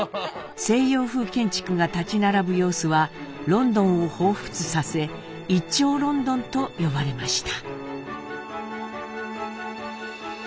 西洋風建築が建ち並ぶ様子はロンドンを彷彿させ「一丁倫敦」と呼ばれました。